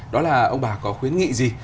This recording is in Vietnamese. đó là ông bà có khuyến nghị gì